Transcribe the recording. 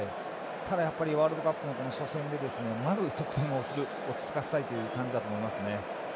ただ、ワールドカップの初戦でまず得点をして落ち着かせたいという感じだと思いますね。